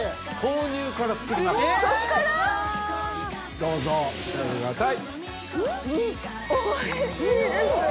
どうぞ食べてください。